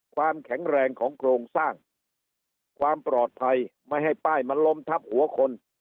ความแข็งแรงของโครงสร้างความปลอดภัยไม่ให้ป้ายมันล้มทับหัวคน